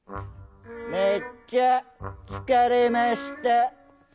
「めっちゃつかれました」。